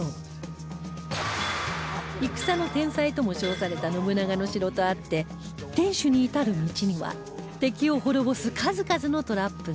戦の天才とも称された信長の城とあって天守に至る道には敵を滅ぼす数々のトラップが